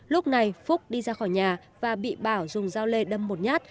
lúc này phúc đi ra khỏi nhà và bị bảo dùng dao lê đâm một nhát